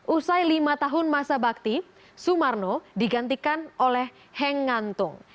usai lima tahun masa bakti sumarno digantikan oleh heng ngantung